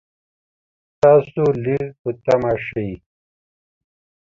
تاسو لږ په طمعه شئ.